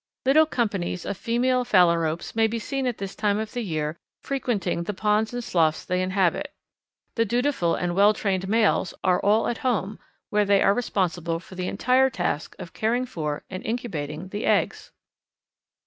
Little companies of female Phalaropes may be seen at this time of the year frequenting the ponds and sloughs they inhabit. The dutiful and well trained males are all at home, where they are responsible for the entire task of caring for, and incubating, the eggs.